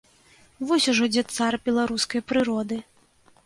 Вось ужо дзе цар беларускай прыроды.